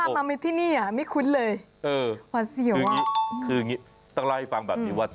มันบอกพามาที่นี่ไม่คุ้นเลยคืออย่างนี้ต้องเล่าให้ฟังแบบนี้ว่า